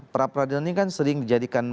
pra peradilan ini kan sering dijadikan